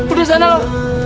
udah sana lu